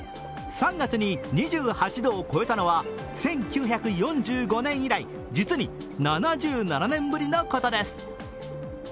３月に２８度を超えたのは１９４５年以来実に７７年ぶりのことです。